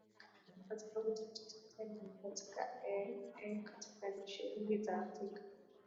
kwa sababu tatizo tena ni katiba eeh eh katika nchi nyingi za afrika